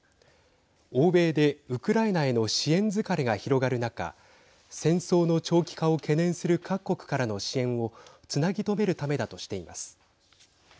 欧米でウクライナへの支援疲れが広がる中戦争の長期化を懸念する各国からの支援をつなぎ止めるためだとしています。